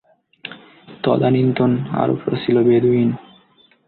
তদানীন্তন আরবরা ছিল বেদুঈন।